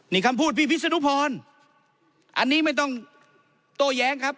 นี่คำพูดพี่พิษนุพรอันนี้ไม่ต้องโต้แย้งครับ